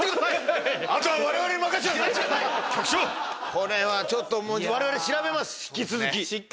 これはちょっと我々調べます引き続き。